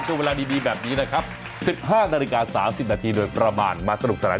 ดูเวลาดีดีแบบนี้นะครับสิบห้านาฬิกาสามสิบนาทีโดยประมาณมาสนุกแสน